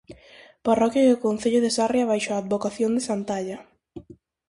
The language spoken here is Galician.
Parroquia do concello de Sarria baixo a advocación de Santalla.